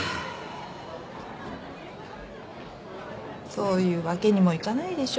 そういうわけにもいかないでしょ。